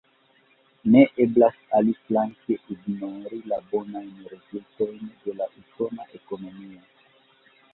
Ne eblas aliflanke ignori la bonajn rezultojn de la usona ekonomio.